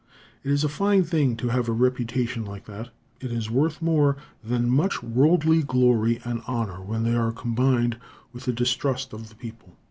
It is a fine thing to have a reputation like that. It is worth more than much worldly glory and honor when they are combined with the distrust of the people.